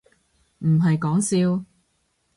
唔係講笑